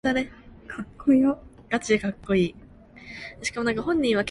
피아노에서 울려오는 음향은 규칙 없고 되지 않은 한낱 소음에 지나지 못하였습니다.